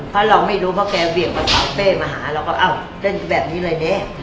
เพราะเราไม่รู้เพราะแกเบี่ยงกระเป๋าเป้มาหาเราก็อ้าวเต้นแบบนี้เลยเด้